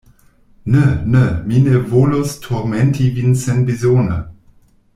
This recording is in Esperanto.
ne, ne, mi ne volas turmenti vin senbezone.